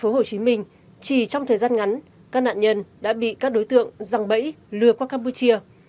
tp hcm chỉ trong thời gian ngắn các nạn nhân đã bị các đối tượng răng bẫy lừa qua campuchia